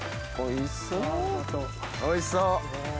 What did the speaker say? おいしそう！